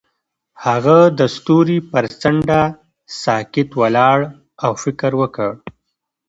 هغه د ستوري پر څنډه ساکت ولاړ او فکر وکړ.